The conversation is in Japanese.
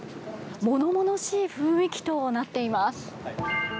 物々しい雰囲気となっています。